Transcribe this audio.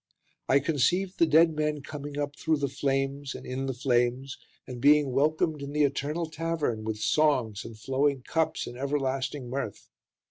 I conceived the dead men coming up through the flames and in the flames, and being welcomed in the Eternal Tavern with songs and flowing cups and everlasting mirth.